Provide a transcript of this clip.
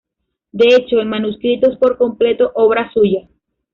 De hecho, el manuscrito es por completo obra suya.